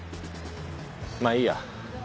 まあいいや。